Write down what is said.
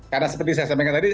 karena seperti saya sampaikan tadi